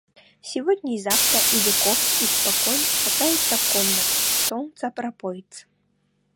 Сегодня и завтра и веков испокон шатается комната — солнца пропойца.